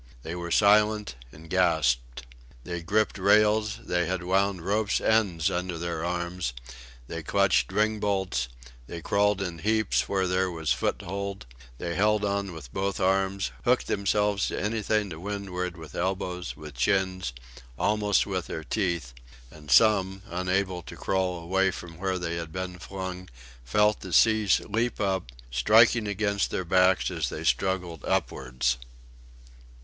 They were silent, and gasped. They gripped rails, they had wound ropes' ends under their arms; they clutched ringbolts, they crawled in heaps where there was foothold; they held on with both arms, hooked themselves to anything to windward with elbows, with chins, almost with their teeth: and some, unable to crawl away from where they had been flung, felt the sea leap up, striking against their backs as they struggled upwards.